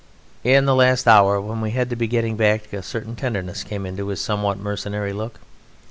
In the last hour when we had to be getting back a certain tenderness came into his somewhat mercenary look.